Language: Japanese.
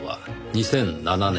２００７年。